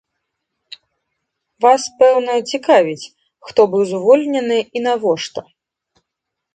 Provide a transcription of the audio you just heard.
Вас, напэўна, цікавіць, хто быў звольнены і навошта?